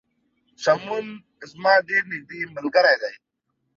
سمون زما ډیر نږدې ملګری دی